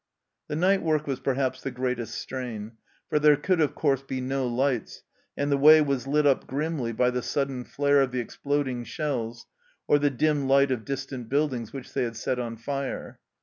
The night work was perhaps the greatest strain, for there could of course be no lights, and the way was lit up grimly by the sudden flare of the ex ploding shells, or the dim light of distant buildings which they had set on fire.